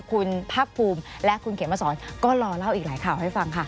คุณภาคภูมิและคุณเขมสอนก็รอเล่าอีกหลายข่าวให้ฟังค่ะ